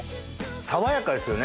爽やかですよね